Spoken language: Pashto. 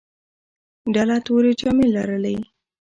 ډله تورې جامې لرلې.